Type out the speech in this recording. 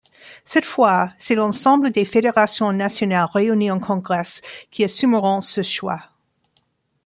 Cette fois c'est l'ensemble des Fédérations nationales réunies en Congrès qui assumeront ce choix.